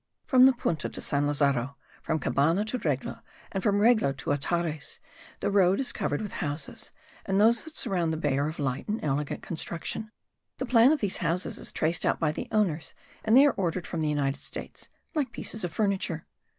From the Punta to San Lazaro, from Cabana to Regla and from Regla to Atares the road is covered with houses, and those that surround the bay are of light and elegant construction. The plan of these houses is traced out by the owners, and they are ordered from the United States, like pieces of furniture.